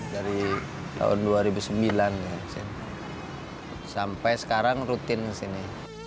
dari tahun dua ribu sembilan sampai sekarang rutin sini